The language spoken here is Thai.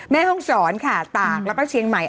แม่ห้องศรค่ะตากแล้วก็เชียงใหม่